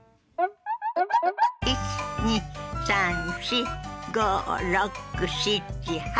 １２３４５６７８。